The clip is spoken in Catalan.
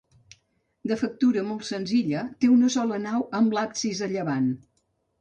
De factura molt senzilla, té una sola nau amb l'absis a llevant.